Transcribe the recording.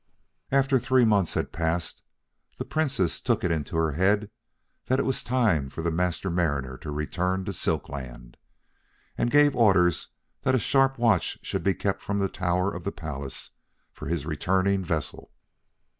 After three months had passed, the Princess took it into her head that it was time for the Master Mariner to return to Silk Land, and gave orders that a sharp watch be kept from the tower of the palace for his returning vessel.